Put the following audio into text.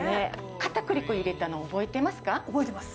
かたくり粉入れ覚えてます。